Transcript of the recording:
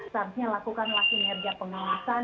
seharusnya lakukanlah kinerja pengawasan